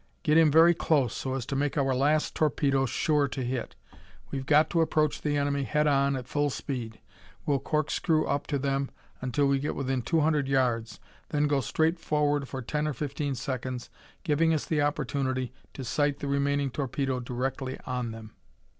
"Get in very close, so as to make our last torpedo sure to hit. We've got to approach the enemy head on at full speed. We'll corkscrew up to them until we get within two hundred yards, then go straight forward for ten or fifteen seconds, giving us the opportunity to sight the remaining torpedo directly on them.